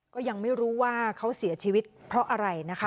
ก็ยังไม่รู้ว่าเขาเสียชีวิตเพราะอะไรนะคะ